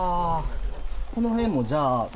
この辺もじゃあ。